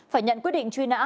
phải nhận quyết định truy nã